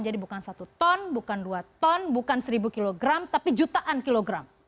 jadi bukan satu ton bukan dua ton bukan seribu kilogram tapi jutaan kilogram